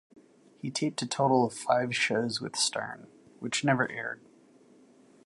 He taped a total of five shows with Stern, which never aired.